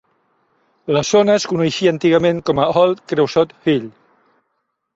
La zona es coneixia antigament com Old Creosote Hill.